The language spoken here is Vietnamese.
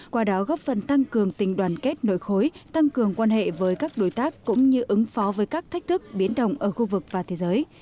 qua đó góp phần tăng cường tình đoàn kết nội khối tăng cường quan hệ với các đối tác cũng như ứng phó với các thách thức biến động ở khu vực và thế giới